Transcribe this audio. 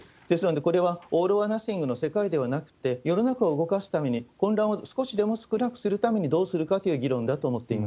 ですので、これはオール・オア・ナッシングの世界ではなくて、世の中を動かすために混乱を少しでも少なくするためにどうするかという議論だ